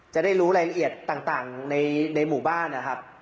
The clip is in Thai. จะได้รู้รายละเอียดต่างในหมู่บ้านนะครับ